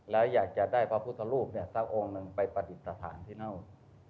แล้วอยากจะได้พระพุทธรูปเนี่ยสักองค์นึงไปประดิษฐานที่น่าอุด